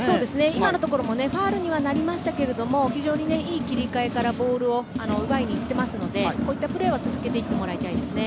今のところもファウルにはなりましたが非常にいい切り替えからボールを奪いに行っていますのでこういったプレーは続けていってもらいたいですね。